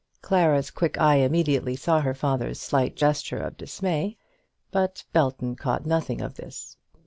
Clara's quick eye immediately saw her father's slight gesture of dismay, but Belton caught nothing of this.